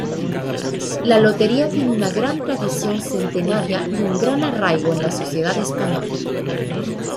La lotería tiene una tradición centenaria y un gran arraigo en la sociedad española.